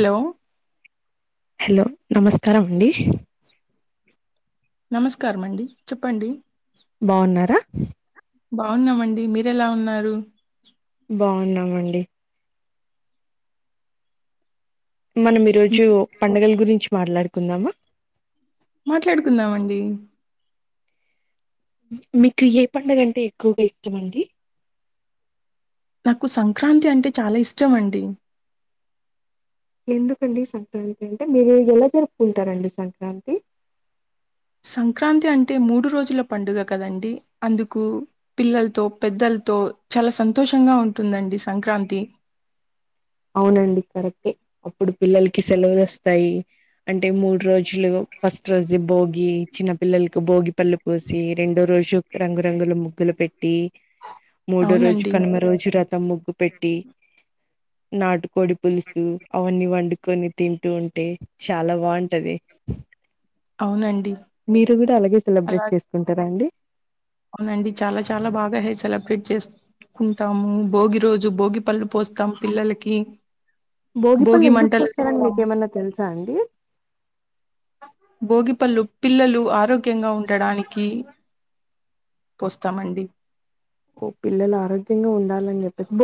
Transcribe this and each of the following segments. హ్లో కరం అండి నమస్కారం అండి చొప్పండి బావున్నారా బావున్నామండి మీరెలా ఉన్నారు బావున్నామండి మనం ఈ రోజు ఇంకే పండగల గురించి మాట్లాడు కుందామా మాట్లాడుకుందాం అండి మీకు ఏ పండగంటే ఎక్కువగా ఇష్టం అండి నాకు సంక్రాంతి అంటే చాలా ఇష్టం అండి ఎందుకండి సంక్రాంతి అంటే మీరు ఎలా జరుపుకుంటారండి సంక్రాంతి సంక్రాంతి అంటే మూడు రోజుల పండుగ కదండి అందుకు పిల్లలతో పెద్దలతో చాలా సంతోషంగా ఉంటుందండి సంక్రాంతి అవునండి కరెక్టే అప్పుడు పిల్లలకి సెలవులు వస్తాయి అంటే మూడ్ రోజులు ఫస్ట్ రోజు భోగి చిన్న పిల్లలకు భోగి పళ్ళు పోసి రెండో రోజు రంగురంగులు ముగ్గులు పెట్ ట్టి మూడో రోజు అవునండి కనుమ రోజు రథం ముగ్గు పెట్టి నాటుకోడి పులుసు అవన్నీ వండుకొని తింటూ ఉంటే చాలా బాగుంటది అవునండి మీరు కూడా అలాగే అలా సెలబ్రేట్ చేసుకుంటారా అండి అవునండి చాలా చాలా బాగా సెలబ్రేట్ చేసుకుంటాము భోగి రోజు భోగి పళ్ళు పోస్తాము పిల్లలకి భోగిపల్లు భోగి ఎందుకు మంటలు పోస్తారని మీకు వేస్తాము ఏమన్నా తెలుసా అండి భోగిపళ్ళు పిల్లలు ఆరోగ్యంగా ఉండడానికి పోస్తామండి ఓ పిల్లలు ఆరోగ్యంగా ఉండాలని చెప్పేసి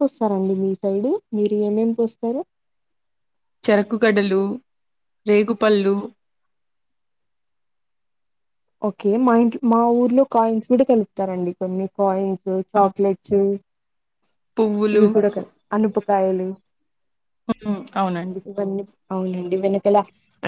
పోస్తారంండి మీ సైడ్ మీరు ఏమేమి పోస్తారు చెరకు గడలు రేగుపళ్ళు ఓకే మా ఇంట్ మా ఊర్లో కాయిన్స్ కూడా కలుపుతారండి కొన్ని కాయిన్స్ ఓ ఆ చాక్లెట్స్ పువ్వులు ఇవి కూడా క అనుప కాయలు అవునండి వెనకాల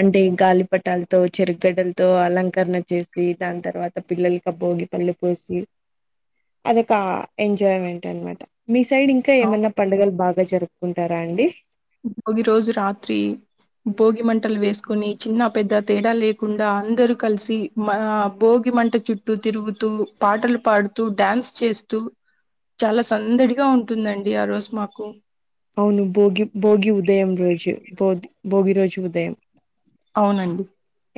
అంటే గాలిపటాలతో చెరుగగడ్డలతో అలంకరణ చేసి దాని తర్వాత పిల్లలక భోగి పళ్ళు పోసి అదొక ఎంజాయ్మెంట్ అనమాట మీ సైడ్ ఇంకా అవును ఏమైనా పండగలు బాగ్ బా జరుపుకుంటారా అండి భోగి రోజు రాత్రి భోగి మంటలు వేసుకుని చిన్న పెద్ద తేడా లేకుండా అందరూ కలిసి మా భోగి మంట చుట్టూ తిరుగుతూ పాటలు పాడుతూ డ్యాన్స్ చేస్తూ చాలా సందడిగా ఉంటుందండి ఆ రోజు మాకు అవును భోగి భోగి ఉదయం రోజు భోది భోగి రోజు ఉదయం అవునండి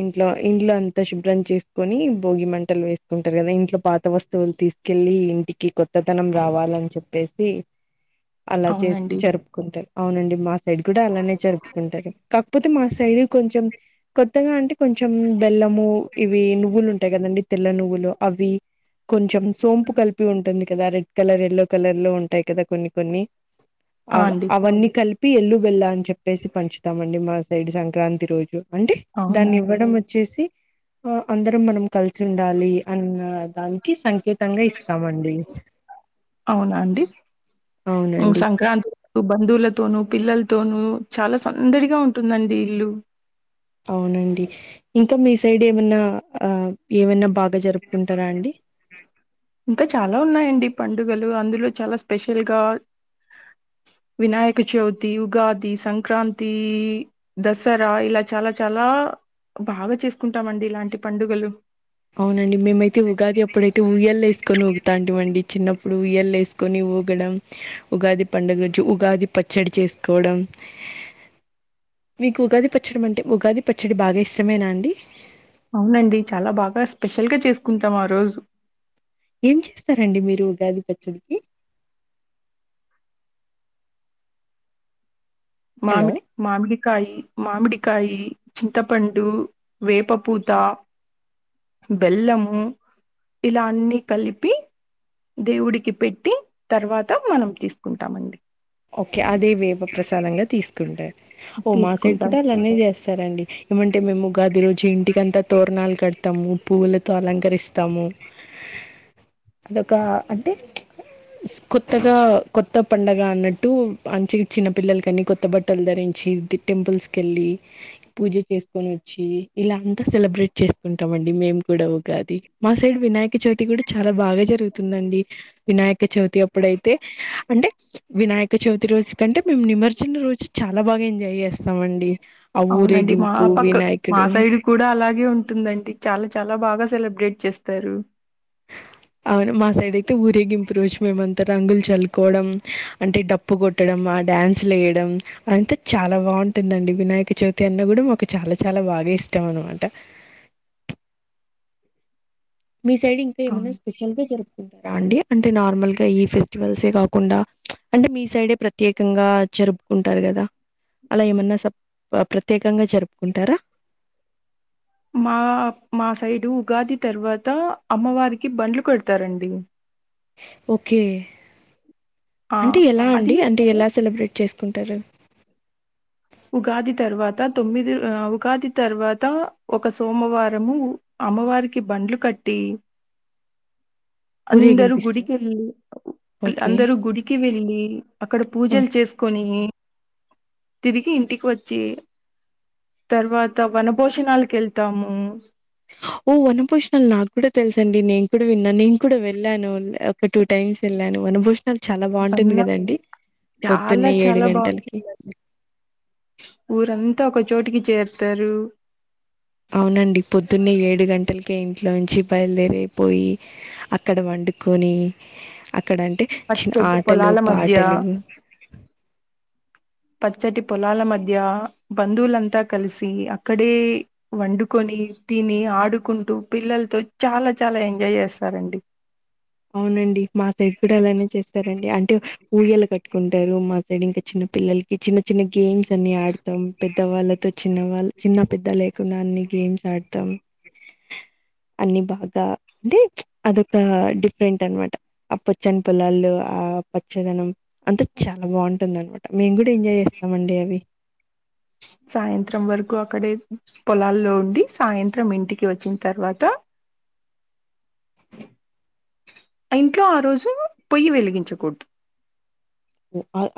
ఇంట్లో ఇంట్లో అంత శుభ్రం చేసుకొని భోగి మంటలు వేసుకుంటారు కదా ఇంట్లో పాత వస్తువులు తీసుకెళ్ళి ఇంటికి కొత్తతనం రావాలని చెప్పేసి అలా చేసి అవునండి జరుపుకుంటయి అవునండి మా సైడ్ కూడా అలానే జరుపుకుంటారు కాకపోతే మా సైడ్ కొంచెం కొత్ కోత్తగా అంటే కొంచెం బెల్లము ఇవి నువ్వులు ఉంటాయి కదండి తెల్ల నువ్వులు అవి కొంచెం సోంపు కలిపి ఉంటుంది కదా రెడ్ కలర్ ఎల్లో కలర్ లో ఉంటాయి కదా కొన్ని కొన్ని ఆ అ అండి అవన్నీ కలిపి పి ఎల్లు బెల్లా అని చెప్పేసి పంచుతామ అండి మా సైడ్ సంక్రాంతి రోజు అం అవునా దాన్ని ఇవ్వడం వచ్చేసి వా అందరం మనం కలిసి ఉండాలి అన్న దానికి సంకేతంగా ఇస్తామండి అవునా అండి ఉమ్, అవునండి సంక్రాంతి రోజు బంధువులతోనూ పిల్లలతోనూ చాలా సందడిగా ఉంటుందండి ఇల్లు అవునండి ఇంకా మీ సైడ్ ఏమన్నా ఆ ఏమైన్నా బాగ్ ఇంకా చాలా ఉన్నాయంండి పండు పండుగలు అందులో చాలా స్పెషల్ గా వినాయక చవితి ఉగాది సంక్రాంతి దసరా ఇలా చాలా చాలా బాగా చేసుకుంటామండి ఇలాంటి పండుగలు అవునండి మేమైతే ఉగాది ఎప్పుడైతే ఊయ్యలు వేసుకని ఉగుతాంటివండి చిన్న ప్పుడు ఊయలు వేసుకొని ఊగడం ఉగాది పండగ గురించి ఉగాది పచ్చడి చేసుకోవడం మీకు ఉగాది పచ్చడి అంటే ఉగాది పచ్చడి బాగా ఇష్టమేనా అండి అవునండి చాలా బాగా స్పెషల్గా చేసుకుంటాం ఆ రోజు ఏం చేస్తారండి మీరు ఉగాది పచ్చడికి హలో! మామిడి మామిడి కాయ మామిడికాయ చింతపండు వేప పూత బెల్లము ఇలాన్నిీ కలిపి దేవుడికి పెట్టి తర్వాత మనం తీసుకుంటామండి ఓకే అదే వేప ప్రసాదంగా తీసుకు ఓ మా సైడ్ తీసుకుంటాం కూడా అలాన్న చేస్తారండి ఏమంటే మే ఉగదిరు జింంటికి అంత తోర్నాల్ కడతా పువ్వులతో అలంకరిస్త ఇస్తాము అదొక అంటే కొత్తగా కొత్త పండగ అన్నట్టు అ చిన్న పిల్లల కని కొత్త బట్టలు ధరించి టెంపుల్స్ వెళ్ళి పూజ చేసుకొని వచ్చి ఇలా అంతా సెలబ్రేట్ చేసుకుంటాం అండి మేము కూడా ఉగాది మా సైడ్ వినాయక చవితి కూడా చాలా బాగా జరుగుతుందండి వినాయక చవితి అప్పుడైతే అంటే వినాయక్ ఇక చవితి రోజు కంటే మేము నిమజన రోజు చాలా బాగాంజా్ అవునండి మా పక్క మా వినాయకుడు సైడ్ కూడా అలాగే ఉంటుందండి చాలా చాలా బాగా సెలబ్రేట్ చేస్తారు అవును మా సైడ్ అయితే ఊరే గ ఇంపువచ్చు మేమంత త్త రంగులు చలుకోవడం అంటే డప్పు కొట్టడం ఆ డ్యాన్స్లు వేయడం అదంతా చాలా బాగుంటుందండి వినాయక చవితి అన్న కూడా మాకు చాలా చాలా బాగా ఇష్టం అనమాట మీ సైడ్ ఇంకా ఏమైనా అవును స్పెషల్గా జరు ంటారా అండి అంటే నార్మల్గా ఈ ఫెస్టివల్సే కాకుండా అంటే మీ సైడే ప్రత్యేకంగా జరుపుకుంటారు కదా అలా ఏమన్నా ప్రత్యేకంగా జరుపు చెప్పుకుంటారా మా మా సైడు ఉగాది తర్వాత అమ్మవారికి బండ్లు కొడతారండి ఓకే ఆ అంటే ఎలా అది అండి అంటే ఎలా సెలబ్రిటీ చేసుకుంటారు ఉగాది తర్వాత తొమ్మిది ఉగాది తర్వాత ఒక సోమవారము అమ్మవారికి బండ్లు కట్టి అందరుూ ఊరేగింపిస్తారు గుడికి వెళ్ళలి ఓకే అందరుూ గుడికి వెళ్ళలి అక్కడ హ్మ్. పూజలు చేసుకొని తిరిగి ఇంటికి వచ్చి తర్వాత వనభోజనాలికెళ్తాము ఓ వనభోష్ణాలు నాకు కూడా తెలుసండి నేను కూడా విన్నాను నేను కూడా వెళ్ళాను ఒక టూ టైమ్స్ వెళ్ళాను వనభోష్ న్నా చాలా పొద్దున్నే చాలా బాగు గంటలకి ఊరంతా ఒక చోటికి చేరు ఇతరు అవునండి పొద్దున్నే ఏడు గంటలకి అక్కే ఇంట్లోంచి బయలుదేరిపోయి అక్కడ వండుకొని ఇక్కడ అంటే చిన్న పచ్చటి ఆటలు పొలాల మధ్య పాటలు పచ్చటి పొలాల మధ్య బంధువులంతా కలిసి అక్కడే వండుకొని తిని ఆడుకుంటూ పిల్లలతో చాలా చాలా ఎంజాయ్ చేస్తారండి అవునండి మా సైడ్ కూడా అలానే చేస్తారండి అంటే ఊయలా కట్టుకుంటారు మా సైడ్ ఇంకా చిన్న పిల్లలకి ఈ చిన్న చిన్న గేమ్స్ న్ని ఆడతాం పెద్దవాళ్ళతో చిన్న వాళ్ళ చిన్న పెద్ద లేకుడాన్ని గేమ్స్ ఆడతాం అన్ని బాగా అంటే అదకన డిఫ ఫ్రెంట్ అనమాట అ పొచ్చని పిల్లాలు ఆ అ పొచ్చేదనం అంతా చాలా బాగుంటుంది అనమాట మేం కూడా ఎంజాయ్ చేస్తా మండడి అవి సాయంత్రం వరకు అక్కడే పొలాల్లో ఉండి సాయంత్రం ఇంటికి వచ్చిన తర్వాత ఇంట్లో ఆ రోజు పొయ్యి వెలిగించకూడదు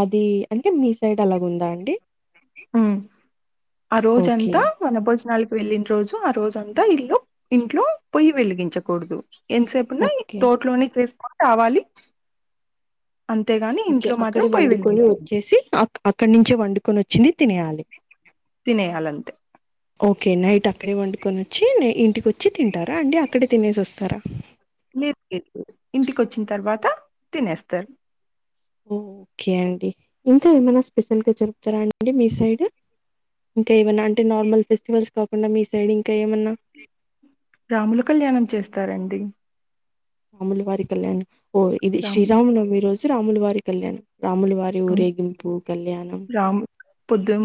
అది అంటే మీ సైడ్ అలాగ ఉందా అండి ఉ ఆ రోజ ఓకే అంతా మన బోస్ నల్ వెళ్ళిన రోజు ఆ రోజు అంతా ఇల్లు ఇంట్లో పొయ్యి వెలిగించకూడదు ఎంతసేపున ఓకే తోటలోనే చేస్తా కావాలి ఒకే అక్కడ వండుకొని వచ్చేసి అక్కడి నుంచే వండు కొని వచ్చింది తినయాలి తినే అలంత ఒకే నైట్ అక్కడే వండుకొని వచ్చి ఇంటికి వచ్చి తింటారా అండి అక్కడే తినేసి వస్తారా లేదు లేదు ఇంటికిచ్చిన తర్వాత తినేస్తారు ఒకే అండి ఇంకా ఏమైనా స్పెషల్ గా జరుపుతారా అండి మీ సైడ్ ఇంకా ఏమనా అంటే నార్మల్ ఫెస్టివల్స్ కాకుండా మీ సైడ్ం రాముల కళ్యాణం చేస్తారండి అమలువారి కళ్యాణ్ ఓ ఇది శ్రీరామనవమి రోజు స రామలువారి కళ్యాణ రామ్ పొద్దు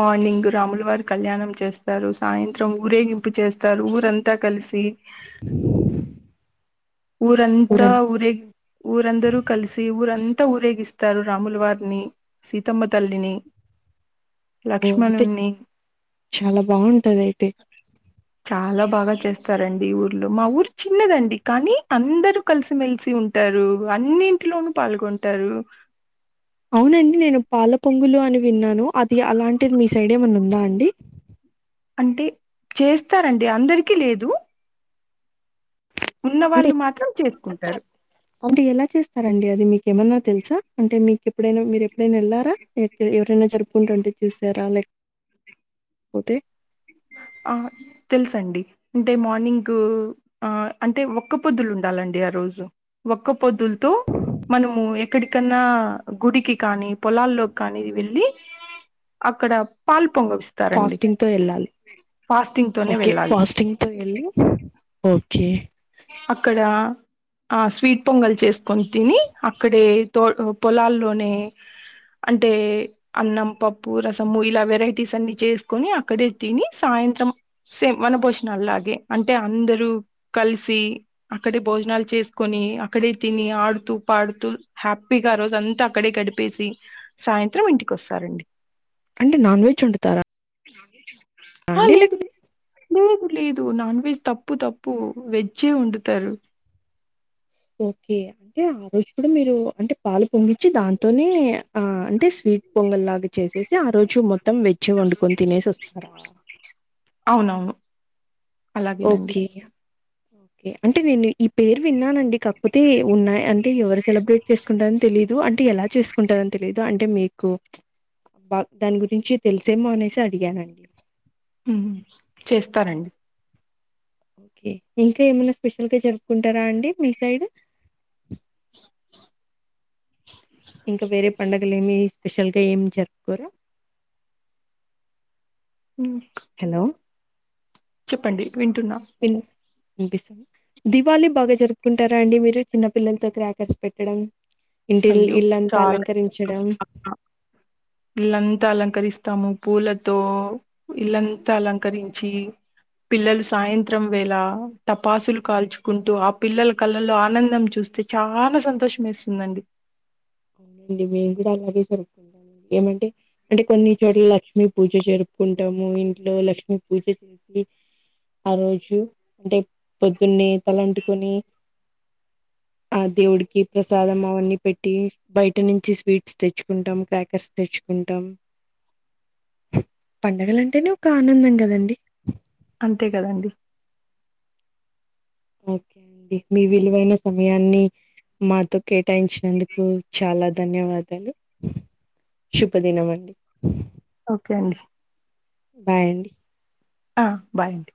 మార్నింగ్ రాములు వ కళ్యాణం చేస్తారు సాయంత్రం ఊరేగింపు చేస్తారు ఊరంతా కలిసి ఊరంతా ఊరం ఊరే ఊరందరు కలిసి ఊరంత ఎంత ఊరేగిస్తారు రాముల వారిని సీతమ్మ తల్లిని ఓ అయితే లక్ష్మణుణ్ణి చాలా బాగుంటది అయితే చాలా బాగా చేస్తారండి ఊర్లో మా ఊరు చిన్నదండి కానీ అందరరూ కలిసిమెలిసి ఉంటారు అన్నింటిలోనూ పాల్గొంటారు అవునండి నేను పాల పొంగులు అని విన్నాను అద్ అది అలాంటిది మీ సైడే ఏమన్నా ఉందా అండి. అండి అంటే చేస్తారండి అందరికి లేదు ఉన్న అంటే వాళ్ళు మాత్రం చేసుకుంటారు అంటే ఎలా చేస్తారండి అది మీకేమన్నా తెలుస అంటే మీకు ఎప్పుడైనా మీరు ఎప్పుడైనా వెళ్ళారా ఎ ఎవరైనా జరుపుకుంటుంటే చూసారా లేకపోతే ఆ తెలుసండి అంటే మార్నింగ్ ఆ అంటే ఒక్క పొద్దులు ఉండాలండి ఆ రోజు ఒక్క పొద్దులతో మనము ఎక్కడికన్నా గుడికి కానీ పొలాల్లోకి కానీది వెళ్లి అక్కడ పాల్ ఫాస్టింగ్ తో వెళ్ళాలి ఫాస్టింగ్ తోనే ఓకే వెళ్ళాలి ఫాస్టింగ్తో వెళ్ళి ఓకే ఏ అక్కడ ఆ స్వీట్ పొంగల్ చేసుకొని తిని అక్కడే తో పొలాల్లోనే అంటే అన్నం పప్పు రసము ఇలా వెరైటీస్ అన్ని చేసుకొని అక్కడే తిని సాయంత్రం సేమ్ వన వనబోజనాల్లగే అంటే అందరూ కలిసి సీ అక్కడే భోజనాలు చేసుకొని అక్కడే తిని ఆడుతూ పాడుతూ హ్యాపీగా రోజు అంతా అక్కడే గడిపేసి సాయంత్రం ఇంటికి వస్తారండి అంటే నాన్ వెజ్ వండుతారా ఆ అండి లేక లేదు లేదు లేదు నాన్ వెజ్ తప్పు తప్పు వెజ్ వెజ్జే వండుతారు ఓకే అంటే ఆ రోజు కూడా మీరు అంటే పాలు పొంగించి దాంతోనే ఆ అంటే స్వీట్ పొంగల్ లాగా చేసేసి ఆ రోజు మొత్తం వెజ్జ్ వండుకొని తినేసి వస్తారా అవునవును అలాగేనండి. ఓకే అంటే నేను ఈ పేరు విన్నానండి కాకపోతే ఉన్నా అంటే ఎవరు సెలబ్రేట్ చేసుకుంటారని తెలిదు అంటే ఎలా చేసుకుంటారని తెలిదు అంటే మీకు బా దాని గురించి తెలుసేమో అనేసి అడిగానండి. హు చేస్తారండి ఓకే ఇంకా ఏమైనా స్పెషల్గా జరుకుంటారా అండి మీ సైడ్ ఇంకా వేరే పండుగలు ఏమీ స్పెషల్గా ఏమి జరుపుకోరు ఊ హెలో చెప్పండి వింటున్నా వినిపిస్తుంది దివాళి బాగా జరుపుకుంటారా అండి మీరు చిన్న పిల్లలతో క్రాకర్స్ పెట్టడం ఇంటి ఇల్ అయ్యో ఇళ్ళంతా చాలా అలంకరించడం ఇల్లంతా అలంకరిస్తాము పూలతో ఇల్లంతా అలంకరించి పిల్లలు సాయంత్రం వేళ టపాసులు కాల్చుకుంటూ ఆ పిల్లలు కళ్ళల్లో ఆనందం చూస్తే చాలా సంతోషం వేస్తుందండి. అవునండి మేము కూడా అలాగే జరుపుకుంటాము ఏమంటే అంటే కొన్ని చోట్ల లక్ష్మీ పూజ జరుపుకుంటాము ఇంట్లో లక్ష్మీ పూజ చేసి ఆ రోజు అంటే పొద్దున్నే తలంటుకొని ఆ దేవుడికి ప్రసాదం అవన్నీ పెట్టి బయట నుంచి స్వీట్స్ తెచ్చుకుంటాం క్రాకర్స్ తెచ్చుకుంటాం పండగలంటేనే ఒక ఆనందం కదండి. అంతే కదండి. ఓకే అండి మీ విలువైన సమయాన్ని మాతో కేటాయించినందుకు చాలా ధన్యవాదాలు శుభదినం అండి. ఓకే అండి బాయ్ అండి ఆ బాయ్ అండి